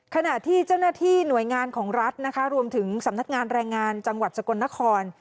ขณะที่เจ้าหน้าที่หน่วยงานของรัฐนะคะรวมถึงสำนักงานแรงงานจังหวัดสกลนคร